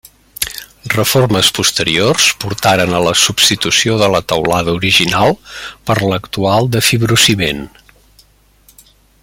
Reformes posteriors portaren a la substitució de la teulada original per l'actual de fibrociment.